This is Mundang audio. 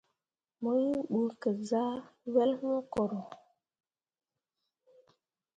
Mo inɓugezah wel wũ koro.